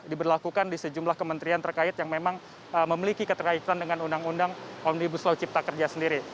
diberlakukan di sejumlah kementerian terkait yang memang memiliki keterkaitan dengan undang undang omnibus law cipta kerja sendiri